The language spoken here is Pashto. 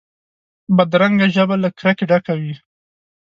بدرنګه ژبه له کرکې ډکه وي